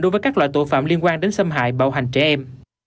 đối với các loại tội phạm liên quan đến xâm hại bạo hành trẻ em